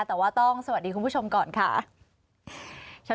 แต่ว่าต้องสวัสดีคุณผู้ชมก่อนค่ะ